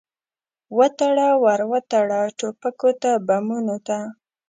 وتړه، ور وتړه ټوپکو ته، بمونو ته